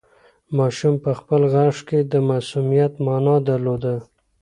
ماشوم په خپل غږ کې د معصومیت مانا درلوده.